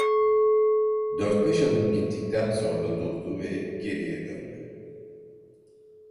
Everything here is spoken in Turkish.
Dört beş adım gittikten sonra durdu ve geriye döndü.